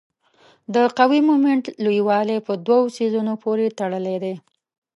د قوې د مومنټ لویوالی په دوو څیزونو پورې تړلی دی.